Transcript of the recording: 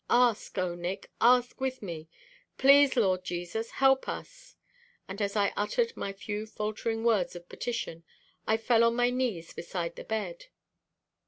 Ask, Oh, Nick, ask with me. Please, Lord Jesus, help us!" And as I uttered my few faltering words of petition I fell on my knees beside the bed.